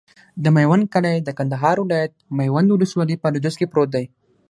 د میوند کلی د کندهار ولایت، میوند ولسوالي په لویدیځ کې پروت دی.